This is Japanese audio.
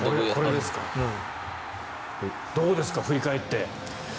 どうですか振り返って。